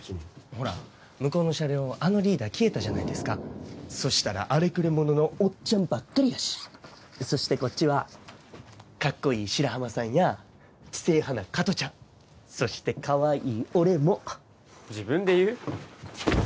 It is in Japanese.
ほら向こうの車両あのリーダー消えたじゃないですかそしたら荒れくれもののおっちゃんばっかりやしそしてこっちはかっこいい白浜さんや知性派な加トちゃんそしてかわいい俺も自分で言う？